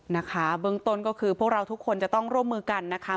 นะคะเบื้องต้นก็คือพวกเราทุกคนจะต้องร่วมมือกันนะคะ